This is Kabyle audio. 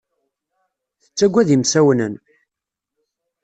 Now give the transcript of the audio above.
Tettaggad imsawnen.